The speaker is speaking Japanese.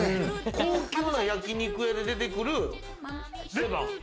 高級な焼肉屋で出てくるレバー。